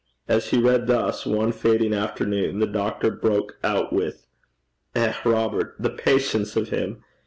As he read thus, one fading afternoon, the doctor broke out with, 'Eh, Robert, the patience o' him!